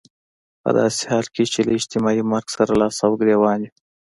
په داسې حال کې چې له اجتماعي مرګ سره لاس او ګرېوان يو.